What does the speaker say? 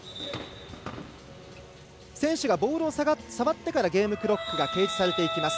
選手がボールを触ってからゲームクロックが停止されていきます。